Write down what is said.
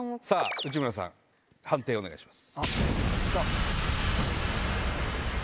内村さん判定お願いします。